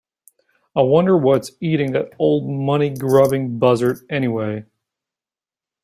I wonder what's eating that old money grubbing buzzard anyway?